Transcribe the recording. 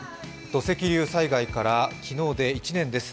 土石流災害から昨日で１年です。